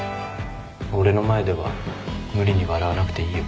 俺の前では無理に笑わなくていいよ。